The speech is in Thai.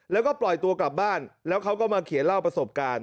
แล้วก็ปล่อยตัวกลับบ้านแล้วเขาก็มาเขียนเล่าประสบการณ์